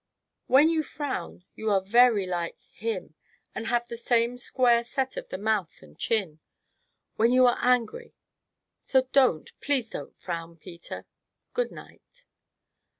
"When you frown, you are very like him, and have the same square set of the mouth and chin, when you are angry so don't, please don't frown, Peter Good night!"